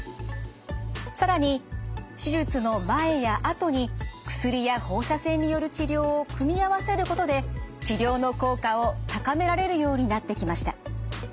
更に手術の前や後に薬や放射線による治療を組み合わせることで治療の効果を高められるようになってきました。